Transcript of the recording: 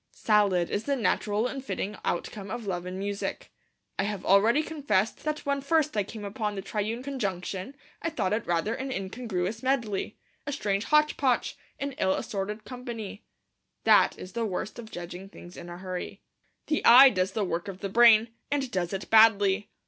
Salad is the natural and fitting outcome of Love and Music. I have already confessed that when first I came upon the triune conjunction I thought it rather an incongruous medley, a strange hotch potch, an ill assorted company. That is the worst of judging things in a hurry. The eye does the work of the brain, and does it badly.